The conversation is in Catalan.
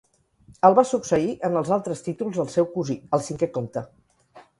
El va succeir en els altres títols el seu cosí, el cinquè comte.